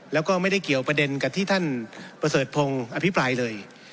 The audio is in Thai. แล้วก็ไม่ได้เกี่ยวประเด็นกับที่ท่านประเสริฐพงศ์อภิปรายเลย